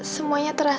semuanya terasa palsu